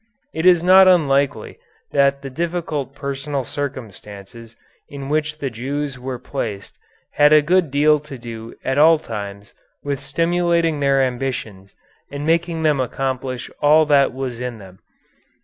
It is not unlikely that the difficult personal circumstances in which the Jews were placed had a good deal to do at all times with stimulating their ambitions and making them accomplish all that was in them.